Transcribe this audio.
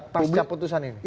pasca putusan ini